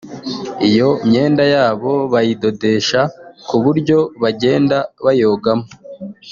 Iyo myenda yabo bayidodesha ku buryo bagenda bayogamo